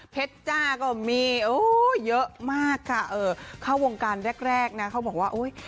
จ้าก็มีโอ้ยเยอะมากค่ะเออเข้าวงการแรกแรกนะเขาบอกว่าโอ้ย